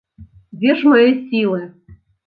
Дзе ж мае сілы!